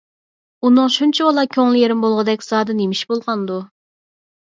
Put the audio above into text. ئۇنىڭ شۇنچىۋالا كۆڭلى يېرىم بولغۇدەك زادى نېمىش بولغاندۇ؟